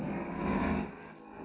kabur lagi kejar kejar kejar